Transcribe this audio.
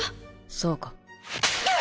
そうか。